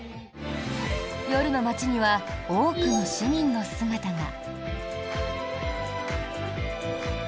夜の街には多くの市民の姿が。